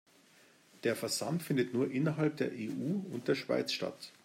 Der Versand findet nur innerhalb der EU und der Schweiz statt.